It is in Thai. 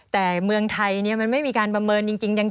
แต่เมืองไทยมันไม่มีการประเมินจริง